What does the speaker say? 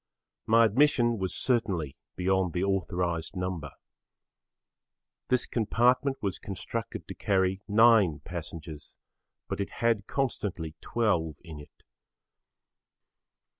My admission was certainly beyond the authorised number. This compartment was constructed to carry 9 passengers but it had constantly 12 in it.